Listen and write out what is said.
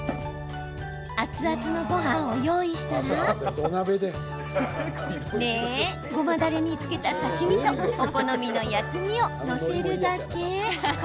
熱々のごはんを用意したらごまだれに漬けた刺身とお好みの薬味を載せるだけ。